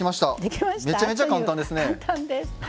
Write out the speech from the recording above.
めちゃめちゃ簡単ですね。